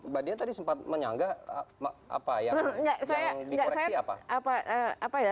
apakah anda menyangka apa yang dikoreksi apa